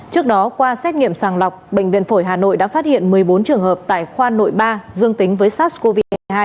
trước đó qua xét nghiệm sàng lọc bệnh viện phổi hà nội đã phát hiện một mươi bốn trường hợp tại khoa nội ba dương tính với sars cov hai